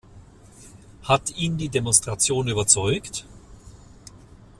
Hat ihn die Demonstration überzeugt?